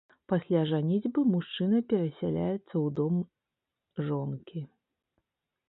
Пасля жаніцьбы мужчына перасяляецца ў дом жонкі.